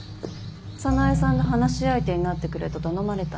早苗さんの話し相手になってくれと頼まれたの。